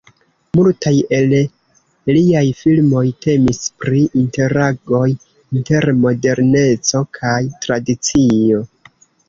Multaj el liaj filmoj temis pri interagoj inter moderneco kaj tradicio.